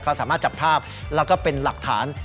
ก็สามารถจับภาพแล้วก็เป็นหลักฐาน